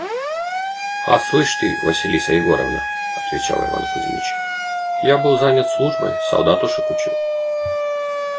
– «А слышь ты, Василиса Егоровна, – отвечал Иван Кузмич, – я был занят службой: солдатушек учил».